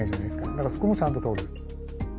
だからそこもちゃんととる。